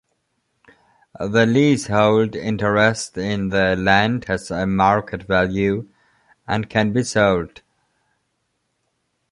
The leasehold interest in the land has a market value and can be sold.